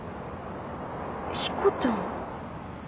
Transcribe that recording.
彦ちゃん？